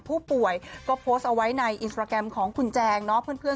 ผู้ป่วยก็โพสต์เอาไว้ในอินสตราแกรมของคุณแจงเนาะเพื่อน